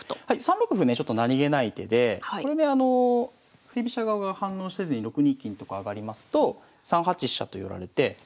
はい３六歩ねちょっと何気ない手でこれであの振り飛車側が反応せずに６二金とか上がりますと３八飛車と寄られて。